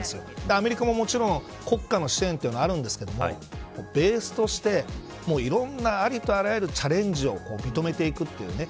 アメリカももちろん国家の支援はあるんですがベースとして、いろんなありとあらゆるチャレンジを認めていくというね。